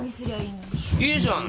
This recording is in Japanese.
いいじゃん。